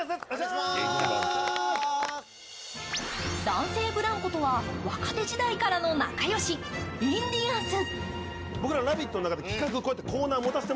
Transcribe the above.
男性ブランコとは若手時代からの仲良し、インディアンス。